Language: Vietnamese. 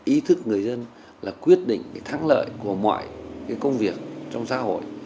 ý thức người dân là quyết định thắng lợi của mọi công việc trong xã hội